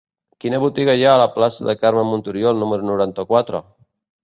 Quina botiga hi ha a la plaça de Carme Montoriol número noranta-quatre?